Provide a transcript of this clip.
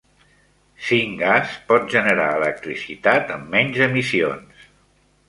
Syngas pot generar electricitat amb menys emissions.